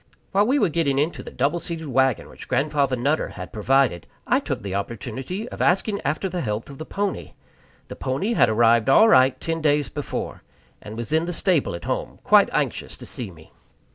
While we were getting into the double seated wagon which Grandfather Nutter had provided, I took the opportunity of asking after the health of the pony. The pony had arrived all right ten days before, and was in the stable at home, quite anxious to see me.